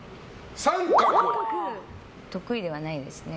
得意ではないですね。